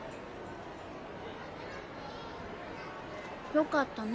よかったね。